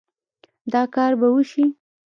دا کار به وشي